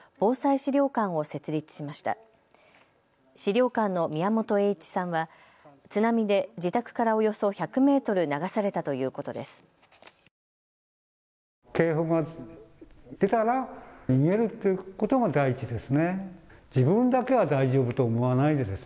資料館の宮本英一さんは津波で自宅からおよそ１００メートル流されたということです。